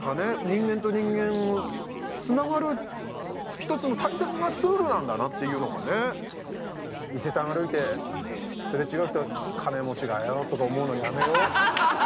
人間と人間つながる一つの大切なツールなんだなっていうのがね伊勢丹歩いてすれ違う人「チッ金持ちがよ」とか思うのやめよう